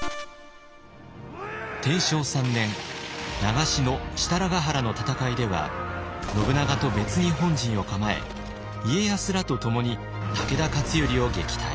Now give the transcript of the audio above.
天正３年長篠・設楽原の戦いでは信長と別に本陣を構え家康らとともに武田勝頼を撃退。